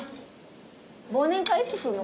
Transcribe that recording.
忘年会いつするの？